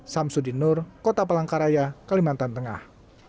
sam sudinur kota pelangkaraya kelimatan tengah